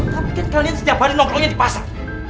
tapi kan kalian setiap hari nongkrongnya di pasar